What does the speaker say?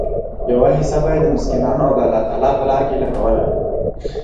يوه حيصه به ئي د مسکينانو او د الله په لاره لګوله